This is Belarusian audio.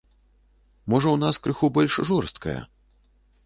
Можа ў нас крыху больш жорсткая.